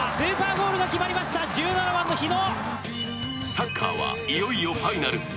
サッカーはいよいよファイナル。